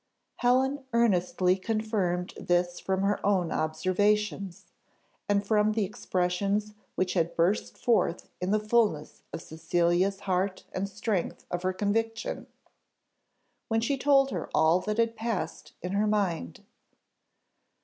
Helen earnestly confirmed this from her own observations, and from the expressions which had burst forth in the fulness of Cecilia's heart and strength of her conviction, when she told her all that had passed in her mind.